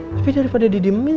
tapi daripada di dimasukin